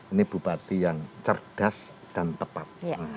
ini bupati yang cerdas dan tepat